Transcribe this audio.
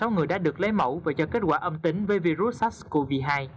tám trăm năm mươi sáu người đã được lấy mẫu và cho kết quả âm tính với virus sars cov hai